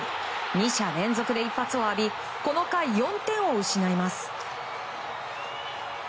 ２者連続で一発を浴びこの回、４点を失います。